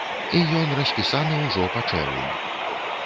І ён распісаны ўжо па чэрвень.